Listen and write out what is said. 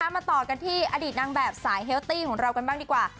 มาต่อกันที่อดีตนางแบบสายเฮลตี้ของเรากันบ้างดีกว่า